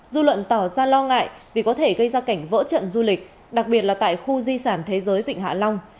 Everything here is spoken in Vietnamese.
dư luận tỏ ra lo ngại vì có thể gây ra cảnh vỡ trận du lịch đặc biệt là tại khu di sản thế giới vịnh hạ long